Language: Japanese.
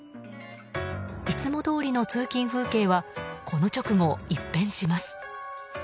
いつもどおりの通勤風景はこの直後、一変します。